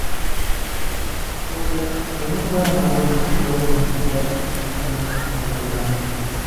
Copia de muy buena mano que se puede contemplar en la concatedral.